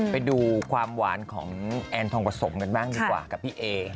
ไปดูความหวานของแอนทองผสมกันบ้างดีกว่ากับพี่เอ